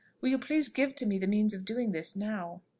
Will you please to give me the means of doing this now?"